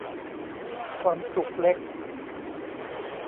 ความสุขเล็ก